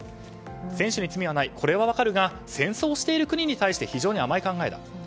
選手に罪はない、これは分かるが戦争をしている国に対して非常に甘い考えだ。